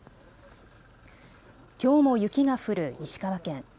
きょうも雪が降る石川県。